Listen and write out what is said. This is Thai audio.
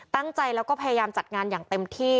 ตั้งใจแล้วก็พยายามจัดงานอย่างเต็มที่